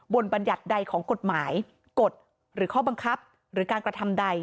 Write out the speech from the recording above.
บัญญัติใดของกฎหมายกฎหรือข้อบังคับหรือการกระทำใด